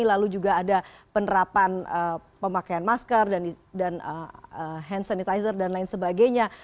lalu juga ada penerapan pemakaian masker dan hand sanitizer dan lain sebagainya